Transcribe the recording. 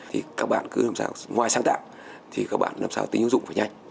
thì các bạn cứ làm sao ngoài sáng tạo thì các bạn làm sao tính ứng dụng phải nhanh